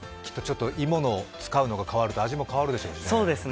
芋の使うのが変わると、味も変わるでしょうしね。